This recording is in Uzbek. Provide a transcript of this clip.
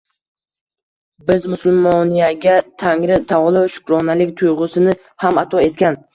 Biz musulmoniyaga Tangri taolo shukronalik tuyg‘usini ham ato etgan.